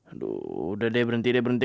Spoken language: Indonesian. aduh udah deh berhenti deh berhenti